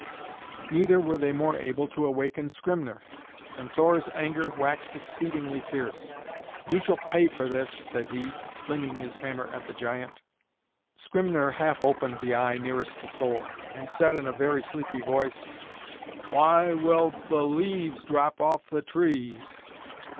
Neither were they more able to awaken Skyrmner, and Thor's anger waxed exceedingly fierce. "You shall pay for this," said he, flinging his hammer at the giant. Skrymner half opened the eye nearest to Thor, and said in a very sleepy voice, "Why will the leaves drop off the trees?"